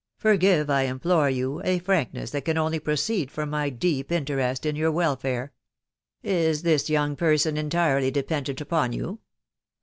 Forgive, I implore you, a frankness that can only proceed from my deep interest in your welfare. .... Is this young person entirely dependent upon you